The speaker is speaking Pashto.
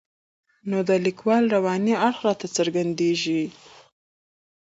نو د لیکوال رواني اړخ راته څرګندېږي.